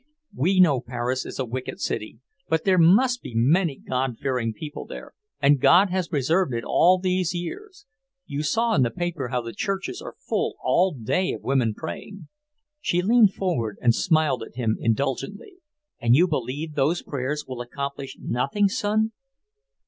We know Paris is a wicked city, but there must be many God fearing people there, and God has preserved it all these years. You saw in the paper how the churches are full all day of women praying." She leaned forward and smiled at him indulgently. "And you believe those prayers will accomplish nothing, son?"